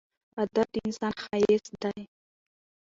ادب د انسان ښایست دی.